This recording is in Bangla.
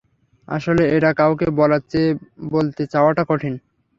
আসলে, এটা কাউকে বলার চেয়ে বলতে চাওয়াটা কঠিন।